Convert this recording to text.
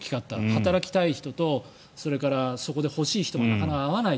働きたい人と、そこで欲しい人がなかなか合わない。